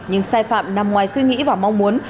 nhưng sai phạm nằm ngoài suy nghĩ và mong muốn